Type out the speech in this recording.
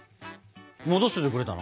戻しておいてくれたの？